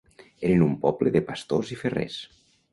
Eren un poble de pastors i ferrers.